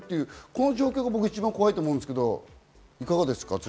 この状況が一番怖いと思うんですけど、いかがですか？